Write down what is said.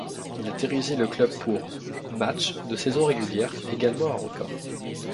Il a dirigé le club pour matchs de saison régulière, également un record.